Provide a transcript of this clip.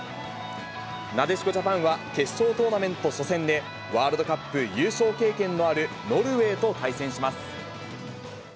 なでしこジャパンは決勝トーナメント初戦で、ワールドカップ優勝経験のあるノルウェーと対戦します。